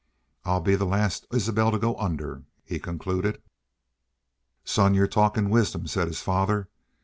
"I'll be the last Isbel to go under," he concluded. "Son, you're talkin' wisdom," said his father.